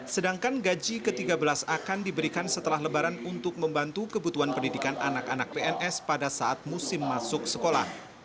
sedangkan gaji ke tiga belas akan diberikan setelah lebaran untuk membantu kebutuhan pendidikan anak anak pns pada saat musim masuk sekolah